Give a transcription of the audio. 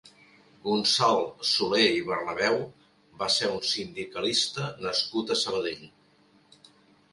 Gonçal Soler i Bernabeu va ser un sindicalista nascut a Sabadell.